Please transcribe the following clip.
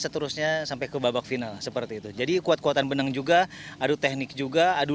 seterusnya sampai ke babak final seperti itu jadi kuat kuatan benang juga adu teknik juga adu